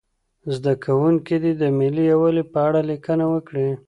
زده کوونکي دې د ملي یووالي په اړه لیکنه وکړي.